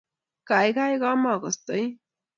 Kaikai ka mo kostoi